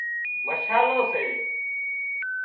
مشالو سي